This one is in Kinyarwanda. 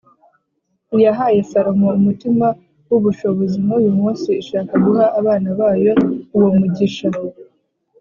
iyahaye salomo umutima w’ubushobozi n’uyu munsi ishaka guha abana bayo uwo mugisha.